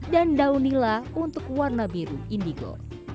dan daun nila untuk warna biru indigo